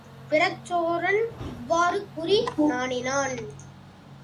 பிரச்சோதனன் இவ்வாறு கூறி நாணினான்.